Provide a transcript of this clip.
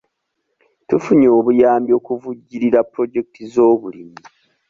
Tufunye obuyambi okuvujjirira pulojekiti z'obulimi.